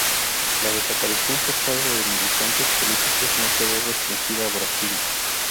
La desaparición forzada de militantes políticos no quedó restringida a Brasil.